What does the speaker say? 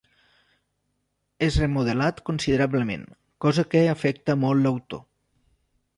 És remodelat considerablement, cosa que afecta molt l'autor.